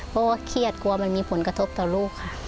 เพราะเมื่อเครียดมันมีผลกระทบต่อลูกค่ะ